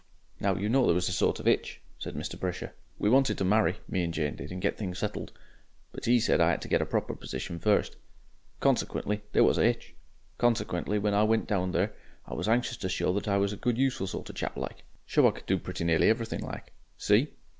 "Now, you know there was a sort of Itch," said Mr. Brisher. "We wanted to marry, me and Jane did, and get things settled. But 'E said I 'ad to get a proper position first. Consequently there was a Itch. Consequently, when I went down there, I was anxious to show that I was a good useful sort of chap like. Show I could do pretty nearly everything like. See?"